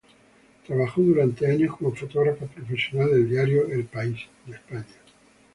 Trabajó durante años como fotógrafa profesional del diario El País de España.